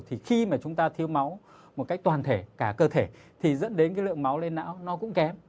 thì khi mà chúng ta thiếu máu một cách toàn thể cả cơ thể thì dẫn đến cái lượng máu lên não nó cũng kém